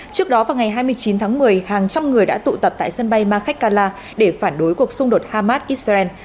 trước đó vào ngày hai mươi chín tháng một mươi hàng trăm người đã tụ tập tại sân bay makhachkala để phản đối cuộc xung đột hamas israel